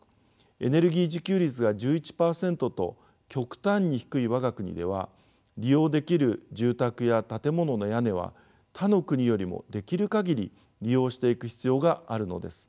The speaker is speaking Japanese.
エネルギー自給率が１１％と極端に低い我が国では利用できる住宅や建物の屋根は他の国よりもできる限り利用していく必要があるのです。